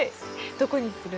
どこにする？